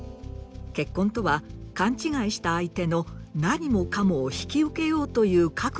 結婚とは勘違いした相手の何もかもを引き受けようという覚悟ができた状態